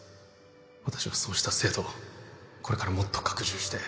私はそうした制度をこれからもっと拡充して